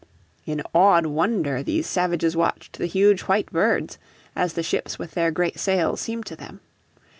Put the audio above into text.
In awed wonder these savages watched the huge white birds, as the ships with their great sails seemed to them.